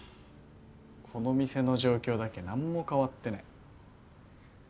この店の状況だけなんも変わってない。